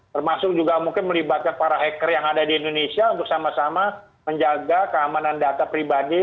termasuk juga mungkin melibatkan para hacker yang ada di indonesia untuk sama sama menjaga keamanan data pribadi